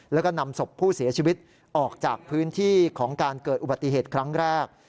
แล้วก็นำศพผู้เสียชีวิตออกจากพื้นที่ของการเกิดอุบัติเหตุครั้งแรก